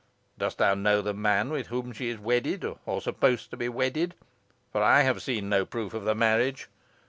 Dost thou know the man with whom she is wedded or supposed to be wedded for I have seen no proof of the marriage?